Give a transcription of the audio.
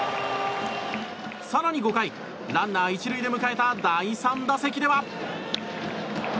更に５回、ランナー１塁で迎えた第３打席では。